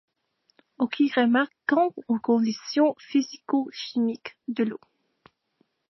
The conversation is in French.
Aucune remarque quant aux conditions physico-chimiques de l'eau.